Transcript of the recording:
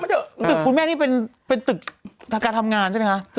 เถอะตึกคุณแม่นี่เป็นตึกการทำงานใช่ไหมคะ